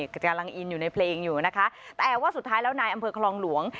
กำลังอินอยู่ในเพลงอยู่นะคะแต่ว่าสุดท้ายแล้วนายอำเภอคลองหลวง